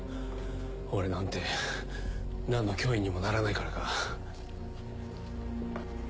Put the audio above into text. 俺なんて何の脅威にもならないからか？